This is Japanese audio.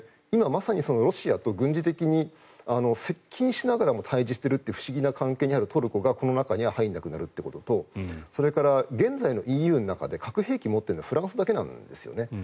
今まさにロシアと軍事的に接近しながらも対峙しているという不思議な関係にあるトルコがこの中には入らなくなるということとそれから現在のＥＵの中で核兵器を持っているのはフランスだけなんですね。